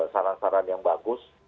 saran saran yang bagus